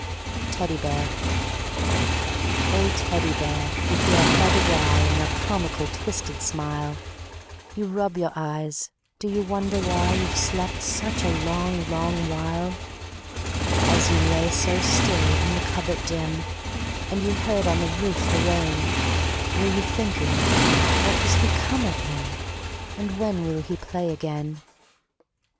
Teddy Bear O Teddy Bear! with your head awry And your comical twisted smile, You rub your eyes do you wonder why You've slept such a long, long while? As you lay so still in the cupboard dim, And you heard on the roof the rain, Were you thinking ... what has become of him? And when will he play again?